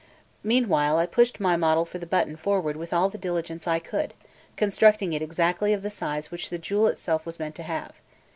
Meanwhile I pushed my model for the button forward with all the diligence I could, constructing it exactly of the size which the jewel itself was meant to have.